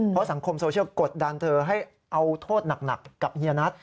เพราะสังคมโซเชียลกดดันเธอให้เอาโทษหนักกับเฮียนัท